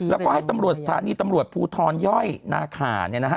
แล้วก็ให้ตำรวจสถานีตำรวจภูทรย่อยนาขาเนี่ยนะฮะ